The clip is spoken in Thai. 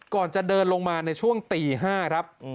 ก่อนจะเดินลงมาในช่วงตี๕ครับ